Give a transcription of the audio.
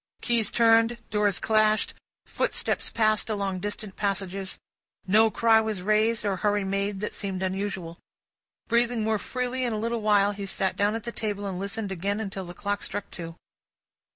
Keys turned, doors clashed, footsteps passed along distant passages: no cry was raised, or hurry made, that seemed unusual. Breathing more freely in a little while, he sat down at the table, and listened again until the clock struck Two.